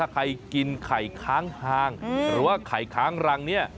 ใครกินไข่ค้างคางหรือว่าไข่ค้างรังเนี่ย